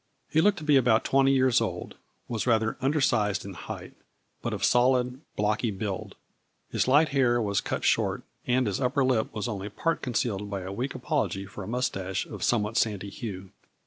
He looked to be about twenty years old, was rather undersized in height, but of solid, blocky build. His light hair was cut short, and his upper lip was only part concealed by a weak apology for a mustache of somewhat sandy hue.